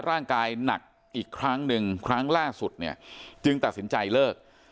ร่างกายหนักอีกครั้งหนึ่งครั้งล่าสุดเนี่ยจึงตัดสินใจเลิก